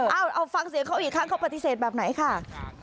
เอาฟังเสียงเขาอีกครั้งเขาปฏิเสธแบบไหนค่ะ